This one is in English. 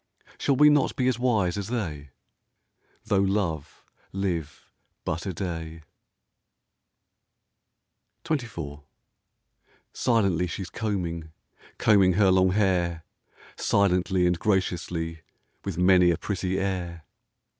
Shall we not be as wise as they Though love live but a day ? XXIV Silently she's combing, Combing her long hair, Silently and graciously, With many a pretty air.